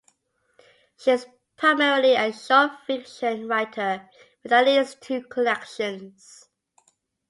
She is primarily a short fiction writer with at least two collections.